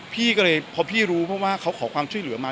พี่ก็เลยพอพี่รู้เพราะว่าเขาขอความช่วยเหลือมา